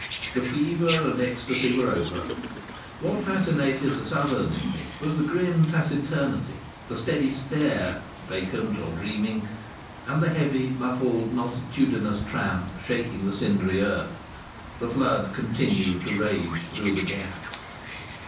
The fever and ecstasy were over. What fascinated the Southern in me was the grim taciturnity, the steady stare (vacant or dreaming), and the heavy, muffled, multitudinous tramp shaking the cindery earth. The flood continued to rage through the gap.